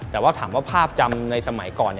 แต่ว่าถามว่าภาพจำในสมัยก่อน